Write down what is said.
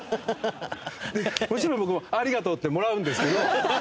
もちろん僕もありがとうってもらうんですけど。